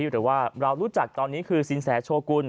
หรือว่าเรารู้จักตอนนี้คือสินแสโชกุล